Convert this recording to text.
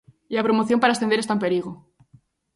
E a promoción para ascender está en perigo.